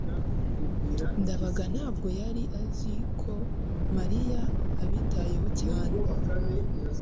ndabaga ntabwo yari azi ko mariya abitayeho cyane